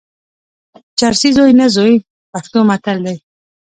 چرسي زوی نه زوی، پښتو متل دئ.